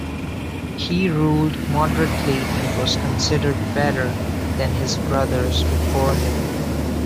He ruled moderately and was considered better than his brothers before him.